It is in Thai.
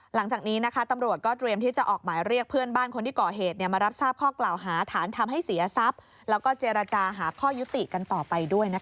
หลังจากนี้ตำรวจก็เตรียมที่จะออกหมายเรียกเพื่อนบ้านคนที่ก่อเหตุมารับทราบข้อกล่าวหาฐานทำให้เสียทรัพย์แล้วก็เจรจาหาข้อยุติกันต่อไปด้วยนะคะ